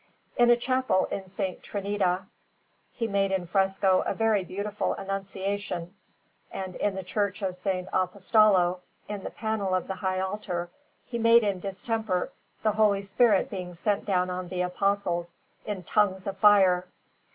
In a chapel in S. Trinita he made in fresco a very beautiful Annunciation; and in the Church of S. Apostolo, on the panel of the high altar, he made in distemper the Holy Spirit being sent down on the Apostles in tongues of fire.